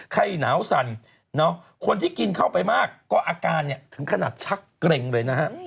หนาวสั่นคนที่กินเข้าไปมากก็อาการเนี่ยถึงขนาดชักเกร็งเลยนะฮะ